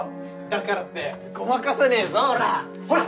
だからってごまかせねぞほら。